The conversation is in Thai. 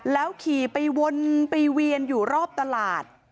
แล้วขี่ไปวนไปเวียนอยู่รอบตลาด